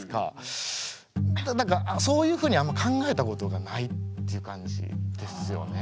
何かそういうふうにあんま考えたことがないっていう感じですよね。